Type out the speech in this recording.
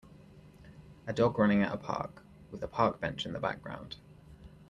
A dog running at a park, with a park bench in the background.